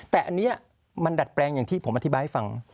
แต่อันนี้มันดัดแปลงอย่างที่ผมอธิบายให้ฟัง